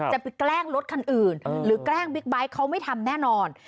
แกไปแกล้งรถคันอื่นหรือแกล้งบิ๊กไบท์เขาไม่ทำแน่นอน